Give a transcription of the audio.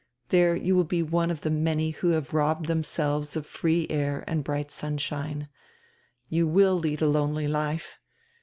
There you will be one of the many who have robbed diemselves of free air and bright sunshine. You will lead a lonely life.